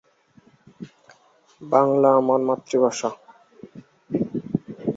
তার সামর্থ্য শত্রু মিত্র সকলেই স্বীকার করত।